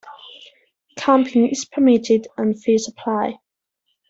Camping is permitted and fees apply.